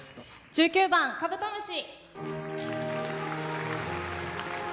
１９番「カブトムシ」。